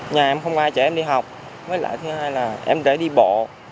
nhà em không có ai chở em đi học với lại thứ hai là em rẽ đi bộ